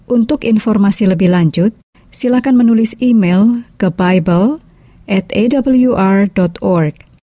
untuk informasi lebih lanjut silakan menulis email ke bible atawr org